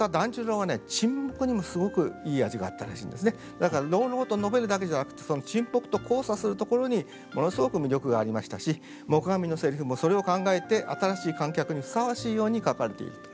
だから朗々と述べるだけじゃなくてその沈黙と交差するところにものすごく魅力がありましたし黙阿弥のセリフもそれを考えて新しい観客にふさわしいように書かれているということになります。